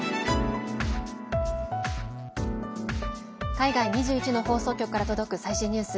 海外２１の放送局から届く最新ニュース。